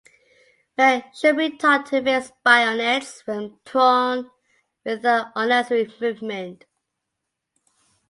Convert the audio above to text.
Men should be taught to fix bayonets when prone without unnecessary movement.